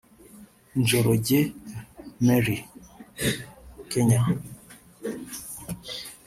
Njoroge Mary (Kenya)